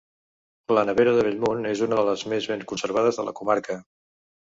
La nevera de Bellmunt és una de les més ben conservades de la comarca.